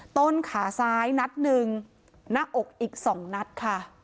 ต้นขาซ้ายนัดหนึ่งหน้าอกอีก๒นัดค่ะ